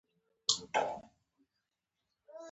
ولایتونه د اقلیمي نظام یو ښه ښکارندوی دی.